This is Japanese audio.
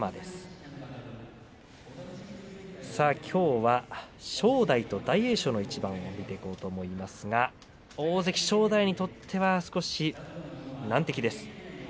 きょうは正代と大栄翔の一番を見ていこうと思いますが大関正代にとっては少し難敵です。